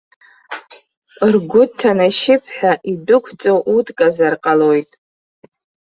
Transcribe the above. Ргәы ҭанашьып ҳәа идәықәҵоу утказар ҟалоит.